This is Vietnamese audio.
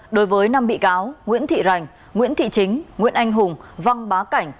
đối với năm bị cáo nguyễn thị rành nguyễn thị chính nguyễn anh hùng văn bá cảnh